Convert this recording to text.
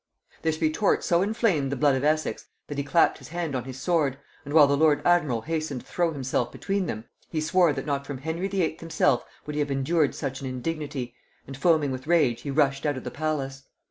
This retort so inflamed the blood of Essex that he clapped his hand on his sword, and while the lord admiral hastened to throw himself between them, he swore that not from Henry VIII. himself would he have endured such an indignity, and foaming with rage he rushed out of the palace.